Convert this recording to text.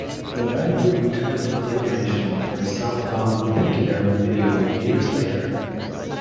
The band would return to claymation for the "Southbound Pachyderm" video years later.